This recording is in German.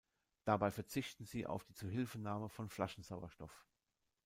Dabei verzichten sie auf die Zuhilfenahme von Flaschensauerstoff.